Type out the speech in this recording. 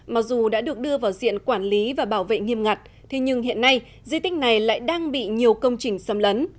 mặc dù đã được đưa vào diện quản lý và bảo vệ nghiêm ngặt thế nhưng hiện nay di tích này lại đang bị nhiều công trình xâm lấn